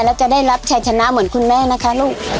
แล้วจะได้รับชัยชนะเหมือนคุณแม่นะคะลูก